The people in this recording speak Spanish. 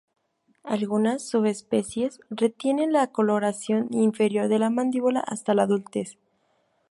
Algunas subespecies retienen la coloración inferior de la mandíbula hasta la adultez.